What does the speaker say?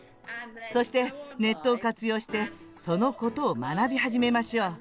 そして、ネットを活用してそのことを学び始めましょう。